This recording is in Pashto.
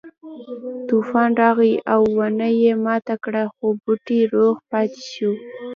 طوفان راغی او ونه یې ماته کړه خو بوټی روغ پاتې شو.